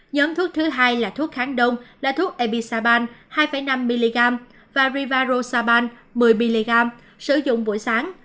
nhóm thuốc thứ hai là thuốc kháng đông là thuốc ebisaban hai năm mg và rivarosaban một mươi mg sử dụng buổi sáng